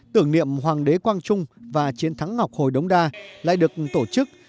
tưởng niệm hoàng đế quang trung và chiến thắng ngọc hồi đống đa lại được tổ chức